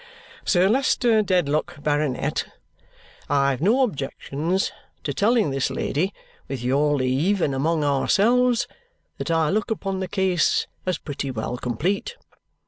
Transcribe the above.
"Sir Leicester Dedlock, Baronet, I have no objections to telling this lady, with your leave and among ourselves, that I look upon the case as pretty well complete.